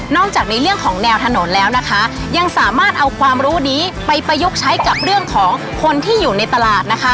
จากในเรื่องของแนวถนนแล้วนะคะยังสามารถเอาความรู้นี้ไปประยุกต์ใช้กับเรื่องของคนที่อยู่ในตลาดนะคะ